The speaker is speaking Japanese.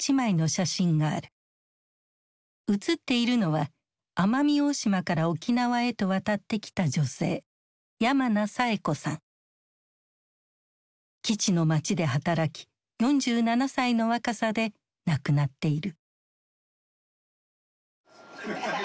写っているのは奄美大島から沖縄へと渡ってきた女性基地の街で働き４７歳の若さで亡くなっている。